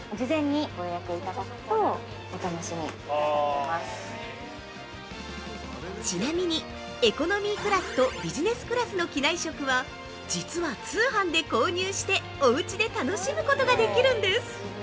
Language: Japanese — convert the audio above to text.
◆ちなみに、エコノミークラスとビジネスクラスの機内食は、実は通販で購入しておうちで楽しむことができるんです！